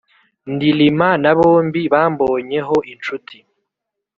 ndilima na bombi bambonye ho inshuti.